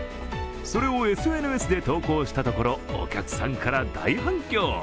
それをＳＮＳで投稿したところお客さんから大反響。